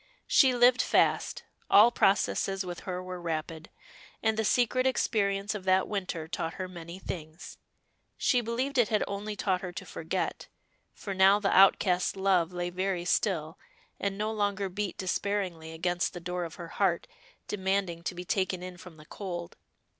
She lived fast; all processes with her were rapid; and the secret experience of that winter taught her many things. She believed it had only taught her to forget, for now the outcast love lay very still, and no longer beat despairingly against the door of her heart, demanding to be taken in from the cold.